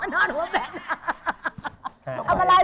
นอนหัวแบน